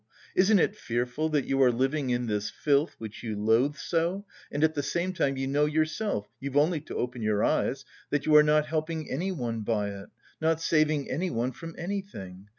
Isn't it fearful that you are living in this filth which you loathe so, and at the same time you know yourself (you've only to open your eyes) that you are not helping anyone by it, not saving anyone from anything?